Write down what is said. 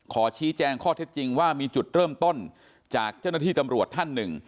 ขอชี้แจงข้อเท็จจริงว่ามีจุดเริ่มต้นจากเจ้าหน้าที่ตำรวจท่านหนึ่ง